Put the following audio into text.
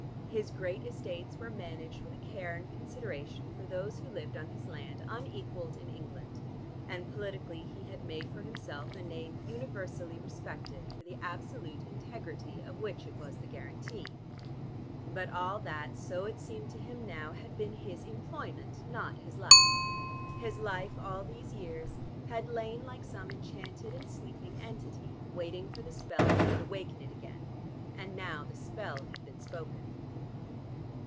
His great estates were managed with a care and consideration for those who lived on his land, unequaled in England, and politically he had made for himself a name universally respected for the absolute integrity of which it was the guarantee. But all that, so it seemed to him now, had been his employment, not his life. His life, all these years, had lain like some enchanted and sleeping entity, waiting for the spell that would awaken it again. Now the spell had been spoken.